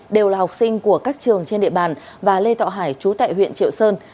đều là học sinh của các trường trên địa bàn và lê thọ hải chú tại huyện triệu sơn